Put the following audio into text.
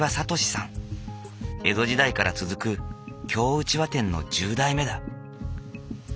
江戸時代から続く京うちわ店の１０代目だ。